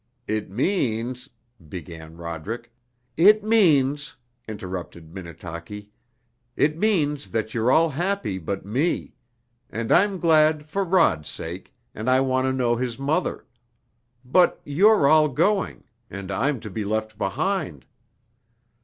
"It means " began Roderick. "It means " interrupted Minnetaki, "it means that you're all happy but me and I'm glad for Rod's sake, and I want to know his mother. But you're all going and I'm to be left behind!"